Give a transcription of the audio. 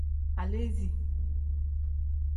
Aleesi.